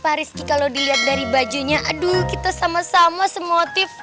pak rizky kalau dilihat dari bajunya aduh kita sama sama semua tip